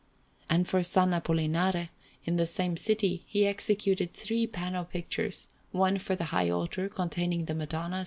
And for S. Apollinare, in the same city, he executed three panel pictures; one for the high altar, containing the Madonna, S.